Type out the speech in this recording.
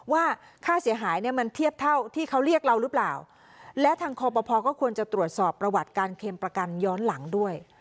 ว่าค่าเสียหายเนี่ยมันเทียบเท่าที่เขาเรียกเราหรือเปล่าและทางคอปภก็ควรจะตรวจสอบประวัติการเค็มประกันย้อนหลังด้วย